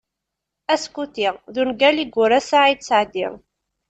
"Askuti" d ungal i yura Saɛid Saɛdi.